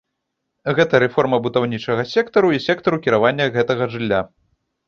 Гэта рэформа будаўнічага сектару і сектару кіравання гэтага жылля.